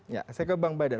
saya ke bang badar